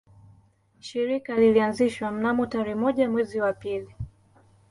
Shirika lilianzishwa mnamo tarehe moja mwezi wa pili